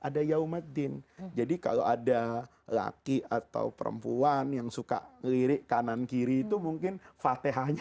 ada yaumatdin jadi kalau ada laki atau perempuan yang suka lirik kanan kiri itu mungkin fatihahnya